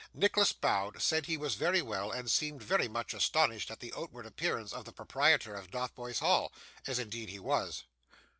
Nicholas bowed, said he was very well, and seemed very much astonished at the outward appearance of the proprietor of Dotheboys Hall: as indeed he was.